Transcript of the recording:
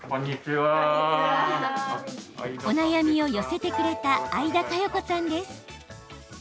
お悩みを寄せてくれた相田加容子さんです。